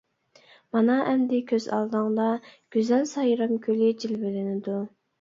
مانا ئەمدى كۆز ئالدىڭدا گۈزەل سايرام كۆلى جىلۋىلىنىدۇ.